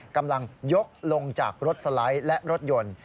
กำลังยกลงจากรถสไลด์และรถยนต์